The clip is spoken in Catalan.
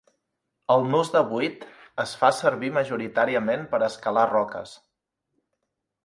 El nus de vuit es fa servir majoritàriament per escalar roques.